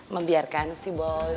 membiarkan si boy